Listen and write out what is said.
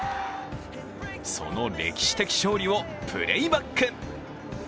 その歴史的勝利をプレーバック。